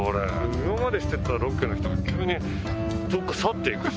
今までしてたロケの人が急にどっか去っていくし。